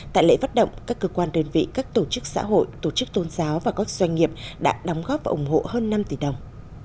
tại lễ phát động các cơ quan đơn vị các tổ chức xã hội tổ chức tôn giáo và các doanh nghiệp đã đóng góp và ủng hộ hơn năm tỷ đồng